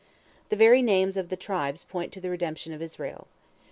The very names of the tribes point to the redemption of Israel.